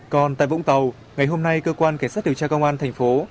còn tại vũng tàu ngày hôm nay cơ quan cảnh sát điều tra công an thành phố